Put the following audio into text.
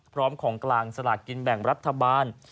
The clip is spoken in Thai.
พร้อมของกลางสลากินแบ่งรัฐบาล